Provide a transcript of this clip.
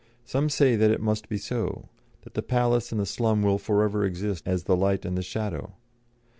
Some say that it must be so; that the palace and the slum will for ever exist as the light and the shadow.